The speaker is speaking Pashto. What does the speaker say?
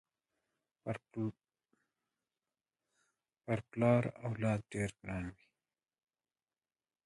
پر پلار اولاد ډېر ګران وي